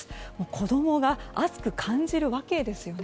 子供が暑く感じるわけですよね。